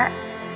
lihat baik aku